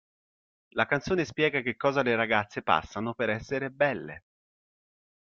La canzone spiega che cosa le ragazze passano per essere belle.